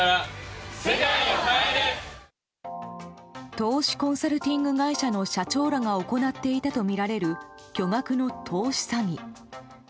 投資コンサルティング会社の社長らが行っていたとみられる巨額の投資詐欺。